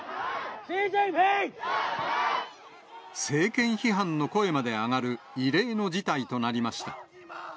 政権批判の声まで上がる異例の事態となりました。